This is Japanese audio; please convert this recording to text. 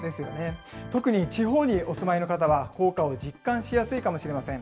特に地方にお住まいの方は効果を実感しやすいかもしれません。